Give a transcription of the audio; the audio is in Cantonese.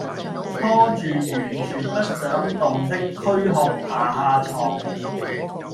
拖著完全不想動的驅殼爬下床